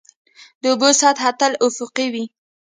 د اوبو سطحه تل افقي وي.